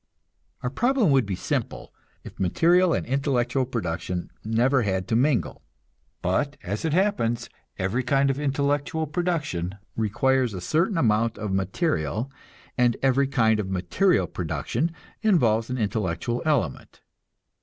Our problem would be simple if material and intellectual production never had to mingle. But, as it happens, every kind of intellectual production requires a certain amount of material, and every kind of material production involves an intellectual element.